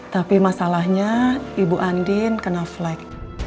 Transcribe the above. tapi masalahnya ibu andin kena flag